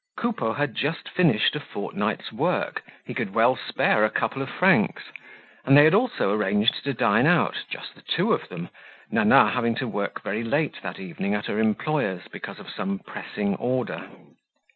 Coupeau had just finished a fortnight's work, he could well spare a couple of francs; and they had also arranged to dine out, just the two of them, Nana having to work very late that evening at her employer's because of some pressing order.